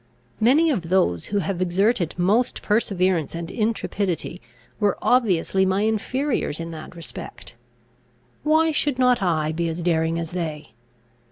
Many of those who have exerted most perseverance and intrepidity, were obviously my inferiors in that respect. Why should not I be as daring as they?